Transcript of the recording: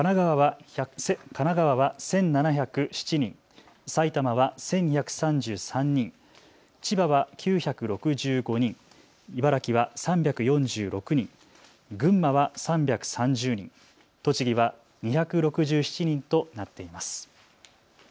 神奈川は１７０７人、埼玉は１２３３人、千葉は９６５人、茨城は３４６人、群馬は３３０人、栃木は２６７人となっています。